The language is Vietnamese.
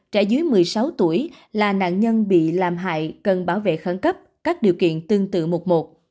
ba trẻ dưới một mươi sáu tuổi là nạn nhân bị làm hại cần bảo vệ khẳng cấp các điều kiện tương tự mục một